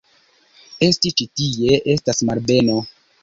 Esti ĉi tie estas malbeno.